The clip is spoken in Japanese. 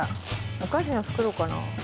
お菓子の袋かな？